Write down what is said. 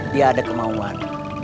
dia ada kemauan